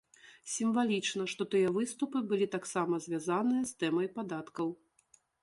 Сімвалічна, што тыя выступы былі таксама звязаныя з тэмай падаткаў.